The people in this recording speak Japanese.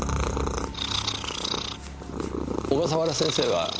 小笠原先生は？